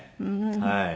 はい。